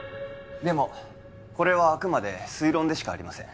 でもこれはあくまで推論でしかありません